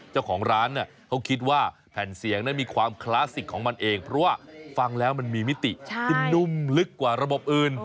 เจ้าของร้านเขาคิดว่าแผ่นเสียงนั้นมีความคลาสสิกของมันเองเพราะว่าฟังแล้วมันมีมิติที่นุ่มลึกกว่าระบบอื่น